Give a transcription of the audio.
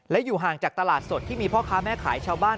และอยู่ห่างจากตลาดสดที่มีพ่อค้าแม่ขายชาวบ้าน